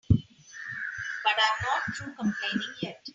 But I'm not through complaining yet.